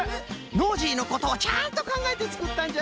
ノージーのことをちゃんとかんがえてつくったんじゃな。